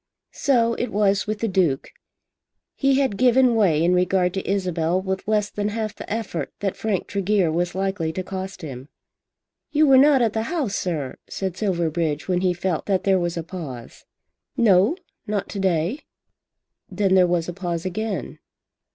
So it was with the Duke. He had given way in regard to Isabel with less than half the effort that Frank Tregear was likely to cost him. "You were not at the House, sir," said Silverbridge when he felt that there was a pause. "No, not to day." Then there was a pause again.